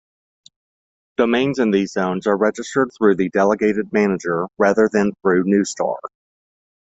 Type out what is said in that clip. Domains in these zones are registered through the delegated manager, rather than through Neustar.